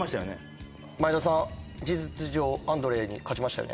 前田さん事実上アンドレに勝ちましたよね。